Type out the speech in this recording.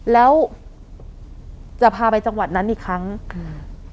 แล้วจะพาไปจังหวัดนั้นอีกครั้งอืม